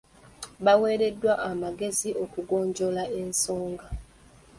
Baaweereddwa amagezi okugonjoola ensonga.